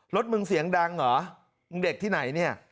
รถมึงเสียงดังเหรอมึงเด็กที่ไหนเนี่ย